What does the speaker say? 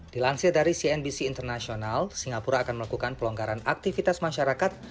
dilansir dari cnbc international singapura akan melakukan pelonggaran aktivitas masyarakat